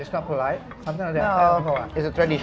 tidak itu tradisi